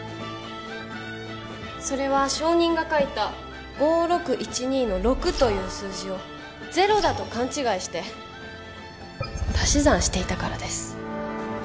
それは証人が書いた５６１２の「６」という数字を「０」だと勘違いして足し算していたからです